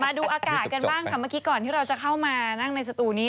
มาดูอากาศกันบ้างค่ะเมื่อกี้ก่อนที่เราจะเข้ามานั่งในสตูนี้